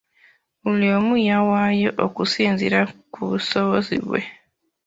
Buli omu yawaayo okusinziira ku busobozi bwe.